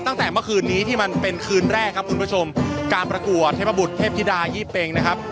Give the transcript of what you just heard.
ตั้งแต่เมื่อคืนนี้ที่มันเป็นคืนแรกครับคุณผู้ชมการประกวดเทพบุตรเทพธิดายี่เป็งนะครับ